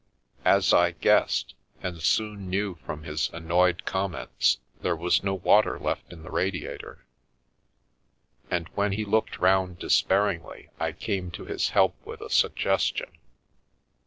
As I guessed, and soon knew from his annoyed comments, there was no water left in the radiator, and when he looked round despairingly, I came to his help with a sug gestion.